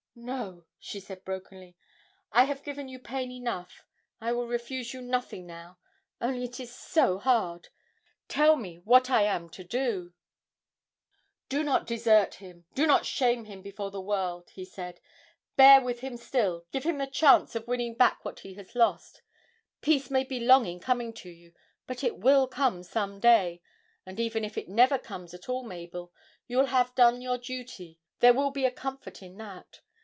'No,' she said brokenly, 'I have given you pain enough, I will refuse you nothing now, only it is so hard tell me what I am to do!' 'Do not desert him, do not shame him before the world!' he said; 'bear with him still, give him the chance of winning back what he has lost. Peace may be long in coming to you but it will come some day, and even if it never comes at all, Mabel, you will have done your duty, there will be a comfort in that.